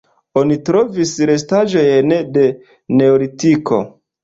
Oni trovis restaĵojn de neolitiko.